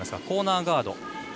コーナーガード。